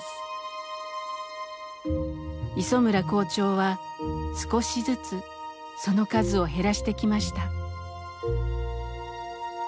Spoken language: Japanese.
磯村校長は少しずつその数を減らしてきました。